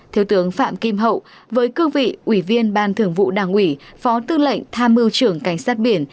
thiếu tướng phạm kim hậu với cương vị ủy viên ban thường vụ đảng ủy phó tư lệnh tham mưu trưởng cảnh sát biển